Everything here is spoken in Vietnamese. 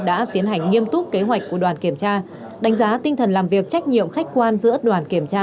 đã tiến hành nghiêm túc kế hoạch của đoàn kiểm tra đánh giá tinh thần làm việc trách nhiệm khách quan giữa đoàn kiểm tra